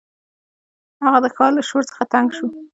هغه د ښار له شور څخه تنګ شو.